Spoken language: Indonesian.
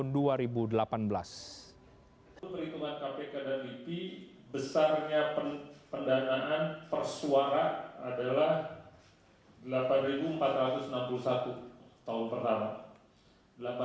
untuk perhitungan kpk dan lipi besarnya pendanaan persuara adalah